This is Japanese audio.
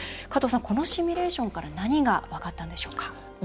このシミュレーションから何が分かったんでしょうか。